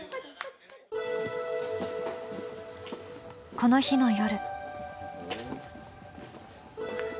この日の夜。